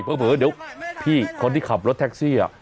เผลอเดี๋ยวพี่คนที่ขับรถแท็กซี่